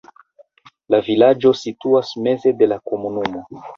La vilaĝo situas meze de la komunumo.